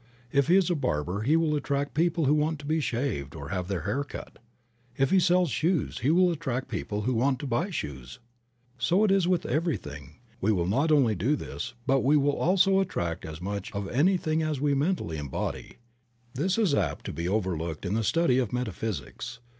If he is a barber he will attract people who want to be shaved or have their hair cut. If he sells shoes he will attract people who want to buy shoes. (See Creative Mind and Success, by the author of the present volume.) So it is with everything; we will not only do this, but we will also attract as much of any thing as we mentally embody. This is apt to be overlooked in the study of metaphysics.